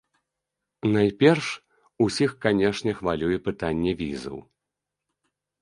Найперш, усіх, канешне, хвалюе пытанне візаў.